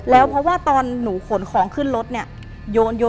แล้วเพราะว่าตอนหนูขนของขึ้นรถเนี่ย